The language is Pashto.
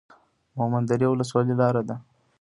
مومند درې ولسوالۍ لاره ده؟